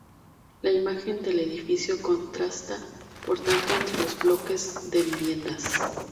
La imagen del edificio contrasta por tanto entre los bloques de viviendas.